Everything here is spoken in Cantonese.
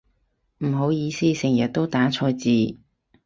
唔好意思成日都打錯字